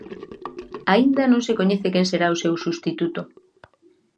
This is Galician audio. Aínda non se coñece quen será o seu substituto.